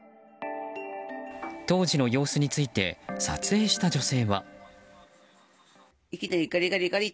当時の様子について撮影した女性は。